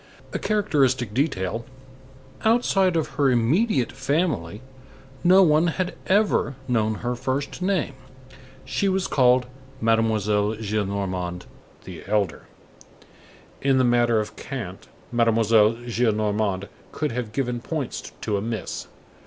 A characteristic detail; outside of her immediate family, no one had ever known her first name. She was called Mademoiselle Gillenormand, the elder. In the matter of cant, Mademoiselle Gillenormand could have given points to a miss.